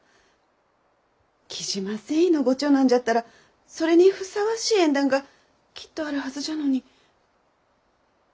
雉真繊維のご長男じゃったらそれにふさわしい縁談がきっとあるはずじゃのに。